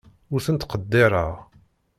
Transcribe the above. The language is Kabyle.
Ur tent-ttqeddireɣ.